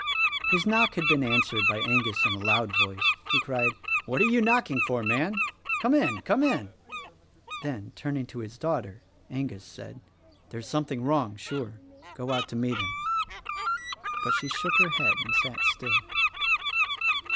His knock had been answered by Angus in a loud voice, who cried, "What are you knocking for, man? Come in. Come in!" Then, turning to his daughter, Angus said, "There's something wrong, sure. Go out to meet him." But she shook her head and sat still.